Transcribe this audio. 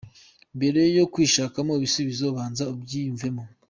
Mbere yo kwishakamo ibisubizo banza ubyiyumvemo.